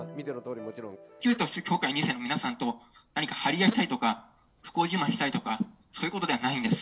旧統一教会の２世の皆さんと何か張り合いたいとか、不幸自慢したいとか、そういうことではないんです。